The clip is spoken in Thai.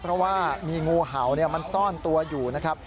เพราะว่ามีงูเห่ามันซ่อนตัวอยู่นะครับ